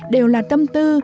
đều là tâm tư